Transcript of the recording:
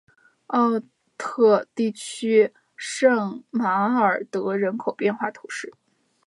奥特地区圣马尔德人口变化图示